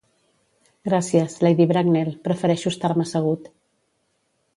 Gràcies, Lady Bracknell, prefereixo estar-me assegut.